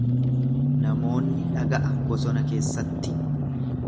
Namoonni dhaga'a bosona keessatti.